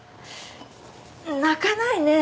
泣かないねえ。